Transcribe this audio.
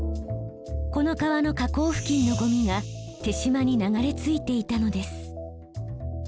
この川の河口付近のゴミが手島に流れ着いていたのです。